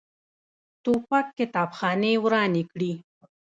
توپک کتابخانې ورانې کړي.